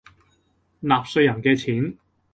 納稅人嘅錢